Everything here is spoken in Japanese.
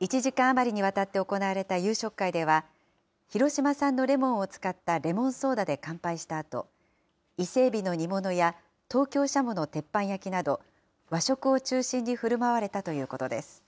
１時間余りにわたって行われた夕食会では、広島産のレモンを使ったレモンソーダで乾杯したあと、伊勢えびの煮物や東京しゃもの鉄板焼きなど、和食を中心にふるまわれたということです。